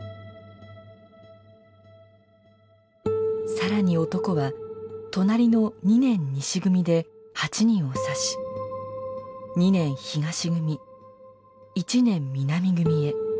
更に男は隣の２年西組で８人を刺し２年東組１年南組へ。